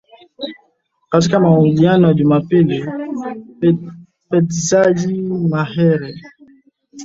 Katika mahojiano ya Jumapili, Fadzayi Mahere, msemaji wa muungano wa wananchi kwa ajili ya mabadiliko, alisema chama chake hakijafurahishwa.